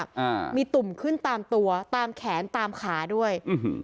อ่ามีตุ่มขึ้นตามตัวตามแขนตามขาด้วยอื้อหือ